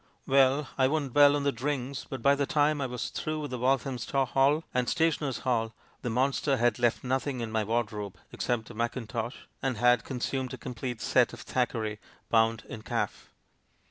Well, I won't dwell on the drinks, but by the time I was through with the Walthamstow hall, and Stationers' Hall, the monster had left nothing in my wardrobe except a mackintosh, and had consumed a complete set of Thackeray bound in calf!"